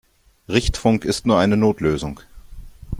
Richtfunk ist nur eine Notlösung.